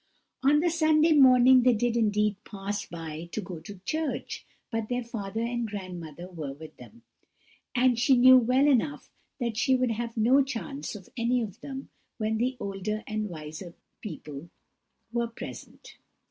"On the Sunday morning they did indeed pass by to go to church, but their father and grandmother were with them; and she knew well enough that she should have no chance of any of them when the older and wiser people were present.